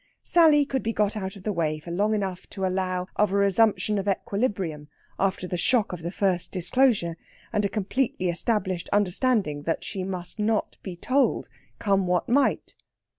Sally could be got out of the way for long enough to allow of a resumption of equilibrium after the shock of the first disclosure and a completely established understanding that she must not be told, come what might.